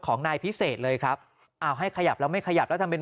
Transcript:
ของนายพิเศษเลยครับเอาให้ขยับแล้วไม่ขยับแล้วทำเป็น